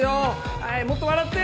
はいもっと笑って！